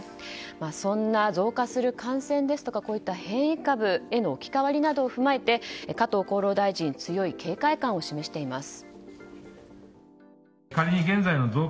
そんな増加する感染ですとか変異株への置き換わりなどを踏まえて加藤厚労大臣は強い警戒感を示しています。